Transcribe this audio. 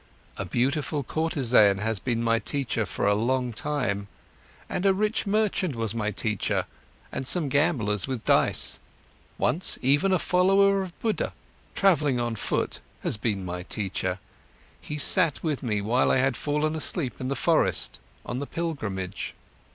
A beautiful courtesan has been my teacher for a long time, and a rich merchant was my teacher, and some gamblers with dice. Once, even a follower of Buddha, travelling on foot, has been my teacher; he sat with me when I had fallen asleep in the forest, on the pilgrimage.